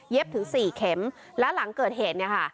ถึงสี่เข็มแล้วหลังเกิดเหตุเนี่ยค่ะ